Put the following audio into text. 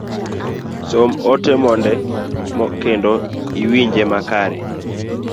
Som ote mondi kendo iwinje makare